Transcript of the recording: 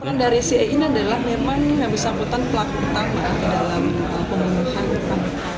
peran dari si eina adalah memang yang bisa membutuhkan pelaku pertama dalam pembunuhan